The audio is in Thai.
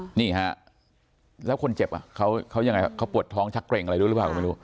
นี่ฮะแล้วคนเจ็บอ่ะเขายังไงเขาปวดท้องชักเกร็งอะไรด้วยหรือเปล่าก็ไม่รู้